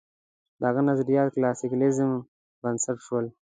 د هغه نظریات کلاسیک لېبرالېزم بنسټ شول.